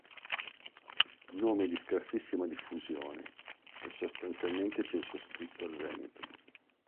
Nome di scarsissima diffusione, è sostanzialmente circoscritto al Veneto.